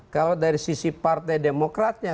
kalau dari sisi partai demokratnya